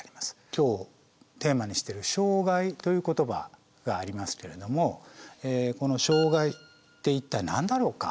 今日テーマにしてる障害という言葉がありますけれどもこの障害って一体何だろうか。